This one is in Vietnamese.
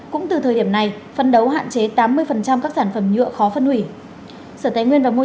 cũng từ thời điểm này phân đấu hạn chế tám mươi các sản phẩm nhựa khó phân hủy